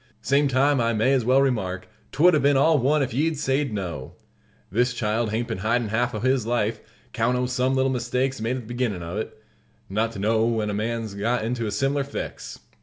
Same time, I may as well remark, 'twould 'a been all one if ye'd sayed no! This child hain't been hidin' half o' his life, 'count o' some little mistakes made at the beginnin' of it, not to know when a man's got into a sim'lar fix.